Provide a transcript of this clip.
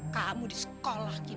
kamu di sekolah kini